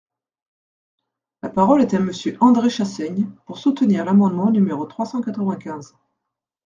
La parole est à Monsieur André Chassaigne, pour soutenir l’amendement numéro trois cent quatre-vingt-quinze.